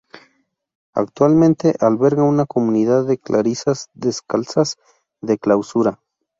Actualmente alberga una comunidad de clarisas descalzas de clausura.